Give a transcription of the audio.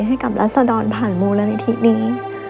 ให้กับรัศดรผ่านมูลนิธีนี้